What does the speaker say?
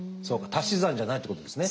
足し算じゃないってことですね。